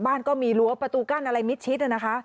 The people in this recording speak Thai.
ก็มีรั้วประตูกั้นอะไรมิดชิดนะคะ